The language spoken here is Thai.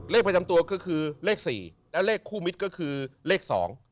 ประจำตัวก็คือเลขสี่และเลขคู่มิตรก็คือเลขสอง